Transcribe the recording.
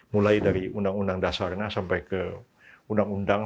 mulai dari undang undang dasarnya sampai ke undang undang